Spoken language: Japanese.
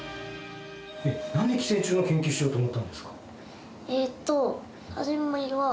なんで寄生虫の研究しようと思ったんですか？